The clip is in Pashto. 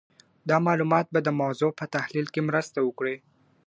دا معلومات به د موضوع په تحلیل کې مرسته وکړي.